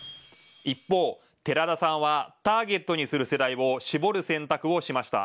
一方、寺田さんはターゲットにする世代を絞る選択をしました。